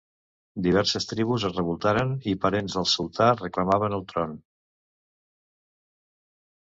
Diverses tribus es revoltaven i parents del sultà reclamaven el tron.